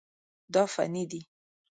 دا فني دي.